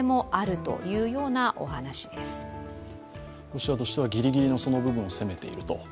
ロシアとしてはギリギリのその部分をせめていると。